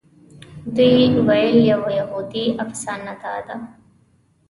دوی ویل یوه یهودي افسانه داده.